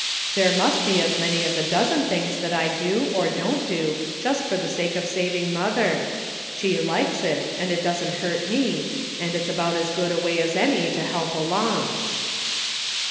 "There must be as many as a dozen things that I do, or don't do, just for the sake of sav ing mother. She likes it, and it doesn't hurt "LUCK.'' 335 me, and it's about as good a way as any to help along."